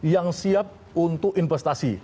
yang siap untuk investasi